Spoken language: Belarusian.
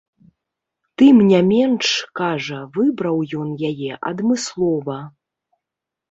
Тым не менш, кажа, выбраў ён яе адмыслова.